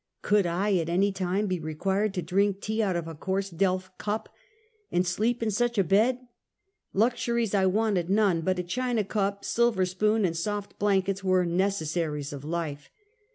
Could I at any time be required to drink tea out of a coarse delf cup and sleep in such a bed? Lux uries I wanted none; but a china cup, silver spoon and soft blankets were necessaries of life.